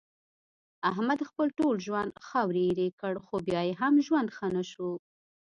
احمد خپل ټول ژوند خاورې ایرې کړ، خو بیا یې هم ژوند ښه نشو.